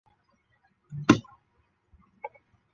密苏里大学坐落于此。